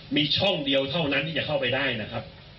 มีช่องเดียวเท่านั้นที่จะเข้าไปได้นะครับ